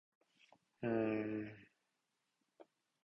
ユニクロのヒートテック、もう少し安くしてよ